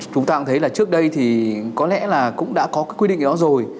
chúng ta cũng thấy là trước đây thì có lẽ là cũng đã có cái quy định đó rồi